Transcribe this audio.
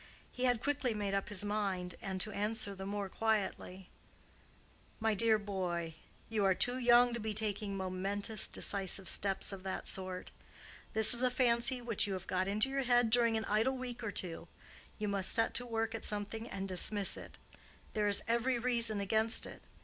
He had quickly made up his mind and to answer the more quietly, "My dear boy, you are too young to be taking momentous, decisive steps of that sort. This is a fancy which you have got into your head during an idle week or two: you must set to work at something and dismiss it. There is every reason against it.